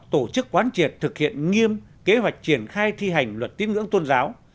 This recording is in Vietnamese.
triển thực hiện nghiêm kế hoạch triển khai thi hành luật tiếng ngưỡng tôn giáo